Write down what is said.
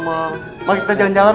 selamat ulang tahun